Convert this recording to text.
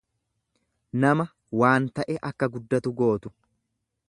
nama waan ta'e akka guddatu gootu.